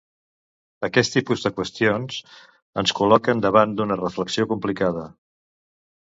Aquest tipus de qüestions ens col·loquen davant d'una reflexió complicada